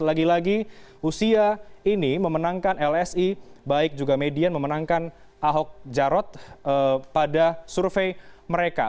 lagi lagi usia ini memenangkan lsi baik juga median memenangkan ahok jarot pada survei mereka